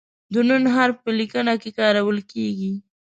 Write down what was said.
د "ن" حرف په لیکنه کې کارول کیږي.